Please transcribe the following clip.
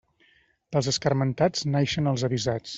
Dels escarmentats naixen els avisats.